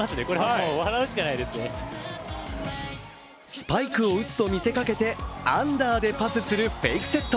スパイクを打つと見せかけてアンダーでパスするフェイクセット。